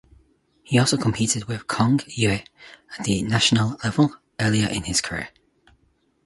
He also competed with Cong Yue at the national level earlier in his career.